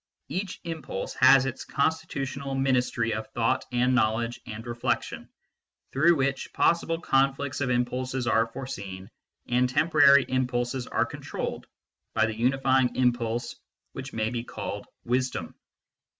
Each impulse has its constitutional ministry of thought and knowledge and reflection, through which possible conflicts of impulses are foreseen, and temporary impulses are controlled by the unifying impulse which may be called wisdom.